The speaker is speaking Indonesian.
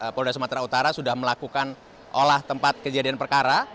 polda sumatera utara sudah melakukan olah tempat kejadian perkara